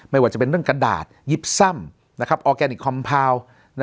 ไม่ว่าจะเป็นเรื่องกระดาษยิบซ่ำออร์แกนิคคอมพาว